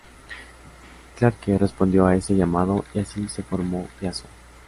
Clarke respondió a ese llamado y así se formó Yazoo.